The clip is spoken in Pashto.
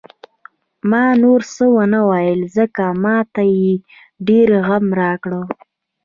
ما نور څه ونه ویل، ځکه ما ته یې ډېر غم راکړ.